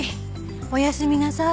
おやすみなさい。